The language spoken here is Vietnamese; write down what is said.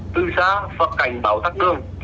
tư xá và cảnh bảo tắc cương